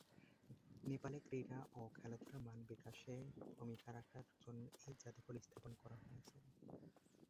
নেপালে ক্রীড়া ও খেলাধুলার মান বিকাশে ভূমিকা রাখার জন্য এই জাদুঘর স্থাপন করা হয়েছিল।